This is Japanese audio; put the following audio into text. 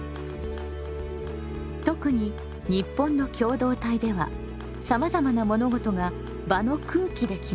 特に日本の共同体ではさまざまな物事が場の空気で決まります。